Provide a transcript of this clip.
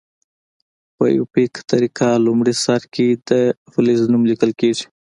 په آیوپک طریقه لومړي سر کې د فلز نوم لیکل کیږي.